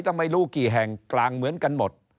ถ้าไม่รู้กี่แห่งกลางเหมือนกันหมด